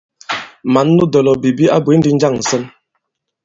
Mǎn nu dɔ̀lɔ̀bìbi a bwě ndi njâŋ ǹsɔn ?